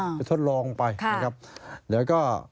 อ่าไปทดลองไปค่ะนะครับแล้วก็